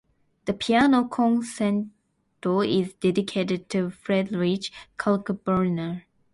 The piano concerto is dedicated to Friedrich Kalkbrenner.